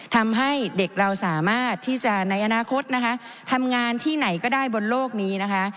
ทำให้เด็กเราสามารถที่จะในอนาคตนะคะทำงานที่ไหนก็ได้บนโลกนี้นะคะ